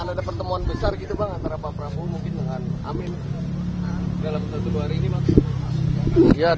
akan ada pertemuan besar gitu bang antara pak prabowo mungkin dengan amin